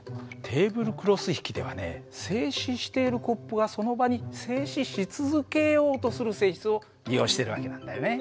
テーブルクロス引きではね静止しているコップがその場に静止し続けようとする性質を利用している訳なんだよね。